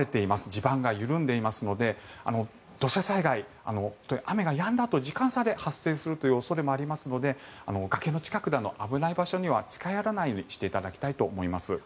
地盤が緩んでいますので土砂災害、本当に雨がやんだあと時間差で発生するという恐れもありますので崖の近くなど危ないところには近寄らないようにしていただきたいと思います。